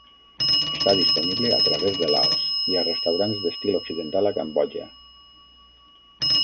Està disponible a través de Laos, i a restaurants d'estil occidental a Cambodja.